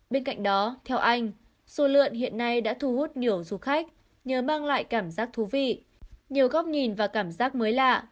bên cạnh đó theo anh xu lượn hiện nay đã thu hút nhiều du khách nhờ mang lại cảm giác thú vị nhiều góc nhìn và cảm giác mới lạ